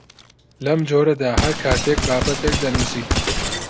لەم جۆرەدا هەر کاتێک بابەتێک دەنووسیت